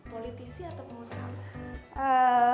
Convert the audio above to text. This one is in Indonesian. politisi atau pengusaha